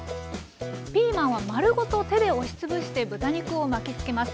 ピーマンは丸ごと手で押し潰して豚肉を巻きつけます。